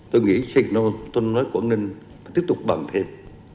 tôi nghĩ xin nói quảng ninh tiếp tục bằng thêm